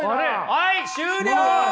はい終了！